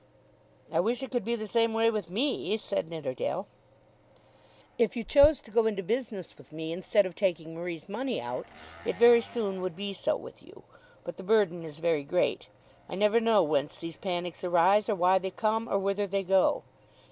"I wish it could be the same way with me," said Nidderdale. "If you chose to go into business with me instead of taking Marie's money out, it very soon would be so with you. But the burden is very great. I never know whence these panics arise, or why they come, or whither they go.